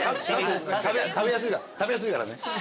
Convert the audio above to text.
食べやすいから食べやすいからね。